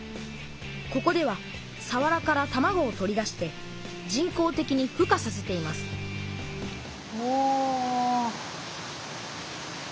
ここではさわらからたまごを取り出して人工的にふ化させていますおちっちゃい。